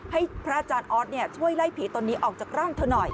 ให้พระอาจารย์ออสช่วยไล่ผีตนนี้ออกจากร่างเธอหน่อย